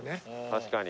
確かに。